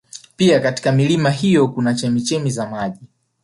Pia katika milima hiyo kuna chemichemi za maji